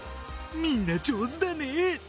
みんな上手だね！